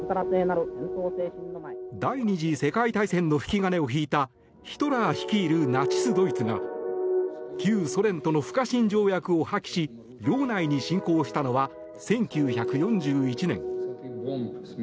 第２次世界大戦の引き金を引いたヒトラー率いるナチス・ドイツが旧ソ連との不可侵条約を破棄し領内に侵攻したのは１９４１年。